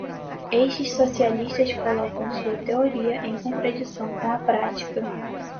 Estes socialistas colocam sua teoria em contradição com a prática